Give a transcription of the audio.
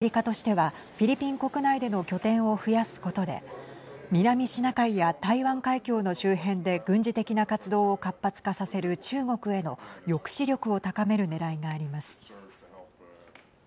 新たな４か所の場所は明らかにされていませんがアメリカとしてはフィリピン国内での拠点を増やすことで南シナ海や台湾海峡の周辺で軍事的な活動を活発化させる中国への抑止力を高めるねらいがあります。